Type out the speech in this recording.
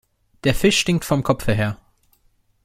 Der Fisch stinkt vom Kopfe her.